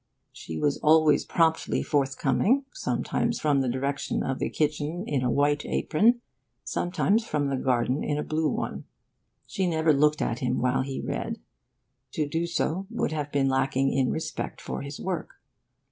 She was always promptly forthcoming sometimes from the direction of the kitchen, in a white apron, sometimes from the garden, in a blue one. She never looked at him while he read. To do so would have been lacking in respect for his work.